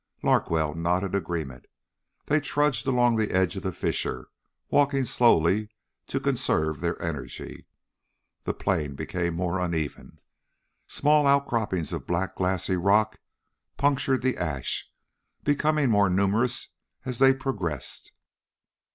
Larkwell nodded agreement. They trudged along the edge of the fissure, walking slowly to conserve their energy. The plain became more uneven. Small outcroppings of black glassy rock punctured the ash, becoming more numerous as they progressed.